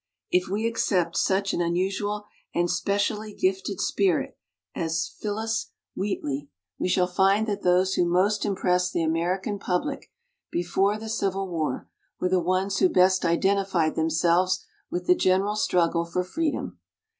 If we except such an unusual and specially gifted spirit as Phillis 8 WOMEN OF ACHIEVEMENT Wheatley, we shall find that those who most impressed the American public before the Civil War were the ones who best identified themselves with the general struggle for freedom.